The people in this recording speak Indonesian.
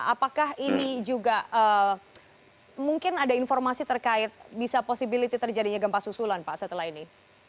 apakah ini juga mungkin ada informasi terkait bisa possibility terjadinya gempa susulan pak setelah ini